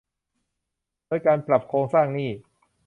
โดยการปรับโครงสร้างหนี้